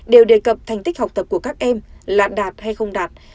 đều đề cập thành tích học tập của các em là đạt hay không đạt